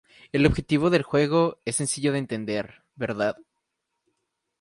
El objetivo del juego es sencillo de entender, Vd.